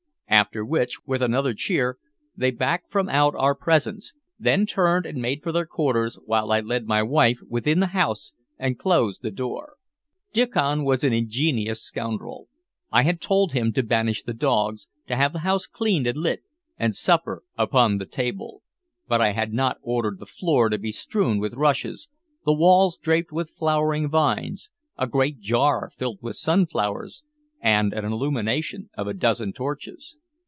After which, with another cheer, they backed from out our presence, then turned and made for their quarters, while I led my wife within the house and closed the door. Diccon was an ingenious scoundrel. I had told him to banish the dogs, to have the house cleaned and lit, and supper upon the table; but I had not ordered the floor to be strewn with rushes, the walls draped with flowering vines, a great jar filled with sunflowers, and an illumination of a dozen torches.